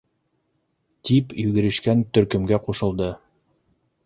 - тип йүгерешкән төркөмгә ҡушылды.